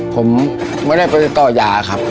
ผมไม่ได้ไปติดต่อยาครับ